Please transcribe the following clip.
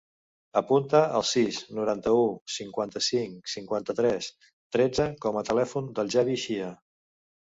Apunta el sis, noranta-u, cinquanta-cinc, cinquanta-tres, tretze com a telèfon del Xavi Xia.